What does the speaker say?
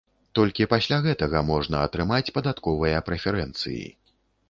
Толькі пасля гэтага можна атрымаць падатковыя прэферэнцыі.